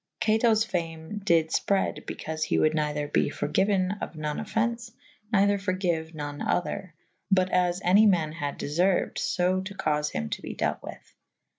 Catous famfe dyd f[p]rede be caufe he wold neither be forgyuen of none offence / neither forgiue non other / but as any man had deferued / fo to caufe him to be delt with.